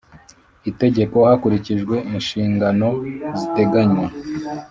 itegeko hakurikijwe inshingano ziteganywa